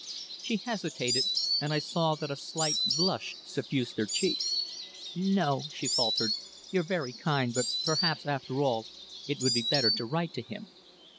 She hesitated, and I saw that a slight blush suffused her cheeks. "No," she faltered. "You're very kind, but perhaps, after all, it would be better to write to him."